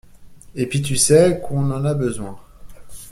Et pis tu sais qu’on en a besoin.